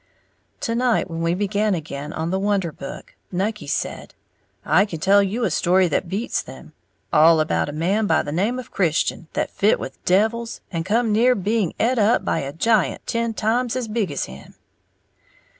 To night when we began again on the Wonder Book, Nucky said, "I can tell you a story that beats them, all about a man by the name of Christian, that fit with devils, and come near being et up by a giant ten times as big as him."